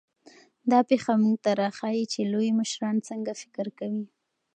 دا پېښه موږ ته راښيي چې لوی مشران څنګه فکر کوي.